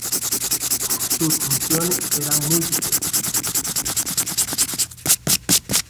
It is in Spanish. Sus funciones eran múltiples.